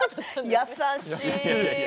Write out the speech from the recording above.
優しい。